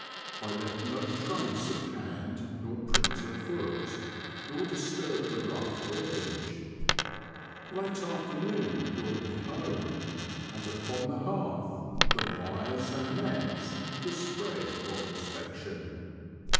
I left no trace of hand nor print of foot, nor disturbed the rough herbage. Late afternoon brought The Confessions of a T^oacher. 59 me home, and upon the hearth the wires and nets were spread for inspection.